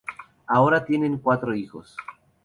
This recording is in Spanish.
Ahora tienen cuatro hijos.